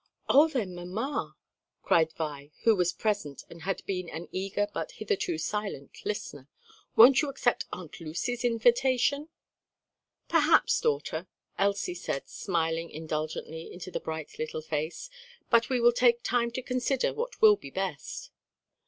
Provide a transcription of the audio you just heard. "Oh then, mamma!" cried Vi, who was present and had been an eager but hitherto silent listener, "won't you accept Aunt Lucy's invitation?" "Perhaps, daughter," Elsie said smiling indulgently into the bright little face, "but we will take time to consider what will be best."